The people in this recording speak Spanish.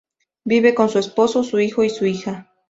Vive con su esposo, su hijo y su hija.